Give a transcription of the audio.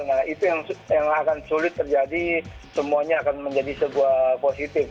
nah itu yang akan sulit terjadi semuanya akan menjadi sebuah positif